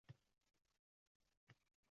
Ko’zlarida qotdi ash’or-oh!